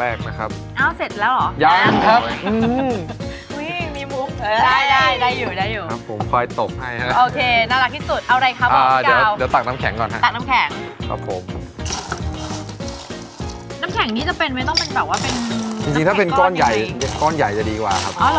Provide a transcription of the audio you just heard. แล้วก็เดี๋ยวพวกเราต้องทำตามเหรอทำตามอ่ะก็นั้นพีคละคนเนอะ